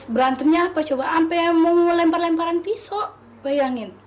berantemnya apa coba sampai mau lempar lemparan pisau bayangin